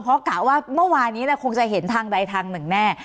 เพราะกะว่าเมื่อวานี้คงจะเห็นทางใดทางหนึ่งแน่